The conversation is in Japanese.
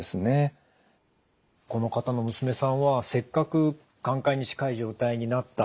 この方の娘さんはせっかく寛解に近い状態になった。